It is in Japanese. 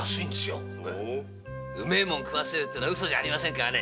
うめえもん食わせるってのは嘘じゃありませんからね。